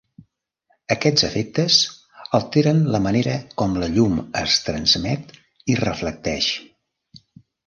Aquests efectes alteren la manera com la llum es transmet i reflecteix.